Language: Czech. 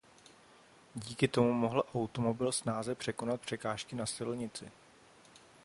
Díky tomu mohl automobil snáze překonat překážky na silnici.